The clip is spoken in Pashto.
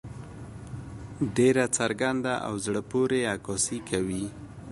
ډېره څرګنده او زړۀ پورې عکاسي کوي.